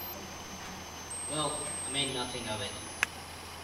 Well, I made nothing of it.